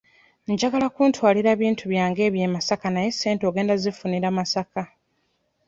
Njagala kuntwalira bintu byange ebyo e Masaka naye ssente ogenda zzifunira Masaka.